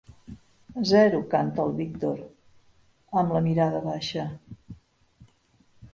Zero —canta el Víctor, amb la mirada baixa.